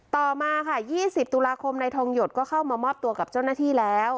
ต่อมาค่ะ๒๐ตุลาคมนายทองหยดก็เข้ามามอบตัวกับเจ้าหน้าที่แล้ว